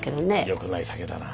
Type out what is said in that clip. よくない酒だな。